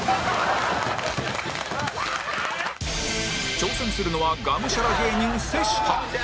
挑戦するのはがむしゃら芸人瀬下